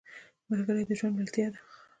ملګری د ژوند ملتیا ده